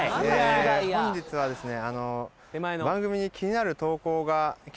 本日はですね・